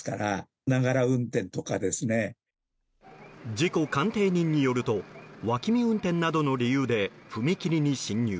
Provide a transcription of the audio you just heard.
事故鑑定人によると脇見運転などの理由で踏切に進入。